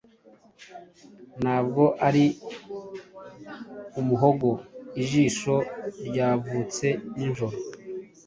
ntabwo ari umuhogo ', ijisho ryavutse nijoro,